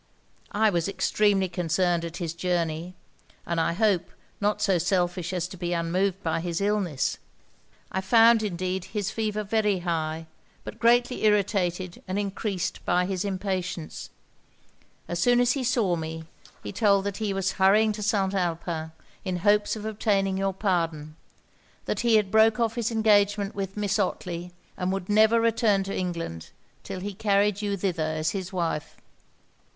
'I was extremely concerned at his journey; and, I hope, not so selfish as to be unmoved by his illness. I found, indeed, his fever very high, but greatly irritated and encreased by his impatience. As soon as he saw me, he told me that he was hurrying to St. Alpin, in hopes of obtaining your pardon; that he had broke off his engagement with Miss Otley, and never would return to England till he carried you thither as his wife.